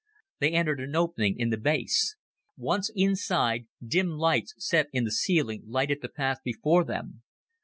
They entered an opening in the base. Once inside, dim lights set in the ceiling lighted the path before them.